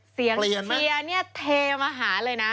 เสียงเทียนี้เทมาหาเลยนะ